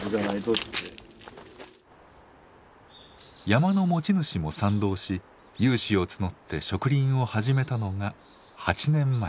山の持ち主も賛同し有志を募って植林を始めたのが８年前。